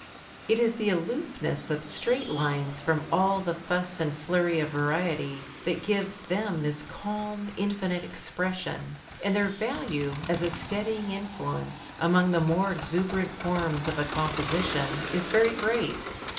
It is the aloofness of straight lines from all the fuss and flurry of variety that gives them this calm, infinite expression. And their value as a steadying influence among the more exuberant forms of a composition is very great.